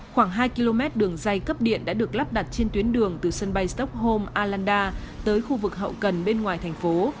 khoảng hai km đường dây cấp điện đã được lắp đặt trên tuyến đường từ sân bay stockholm alanda tới khu vực hậu cần bên ngoài thành phố